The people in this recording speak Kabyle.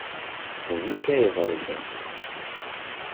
D nekk ay iḍelmen.